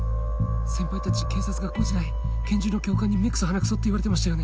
先輩たち警察学校時代拳銃の教官に目クソ鼻クソって言われてましたよね。